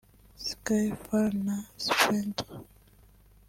Sky Fall’ na ’Spectre’